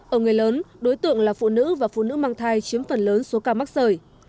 ở người lớn đối tượng là phụ nữ và phụ nữ mang thai chiếm phần lớn số ca mắc sởi